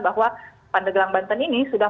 bahwa pandeglang banten ini sudah